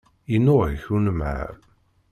Yennuɣ-ik unemhal.